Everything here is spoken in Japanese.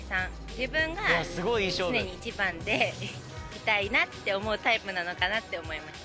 自分が常に１番でいたいなって思うタイプなのかなって思いました。